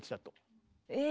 え。